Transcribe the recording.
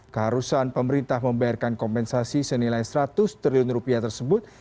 keharusan pemerintah membayarkan kompensasi senilai seratus triliun rupiah tersebut